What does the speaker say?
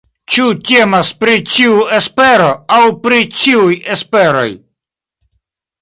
Ĉu temas pri ĉiu espero aŭ pri ĉiuj esperoj?